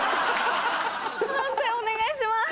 判定お願いします。